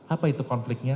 apa itu konfliknya